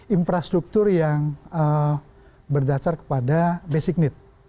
infrastruktur yang berdasar kepada basic need